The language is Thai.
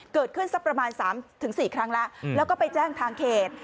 เกิดขึ้นซักประมาณ๓๔ครั้งแล้วไปแจ้งทางเขต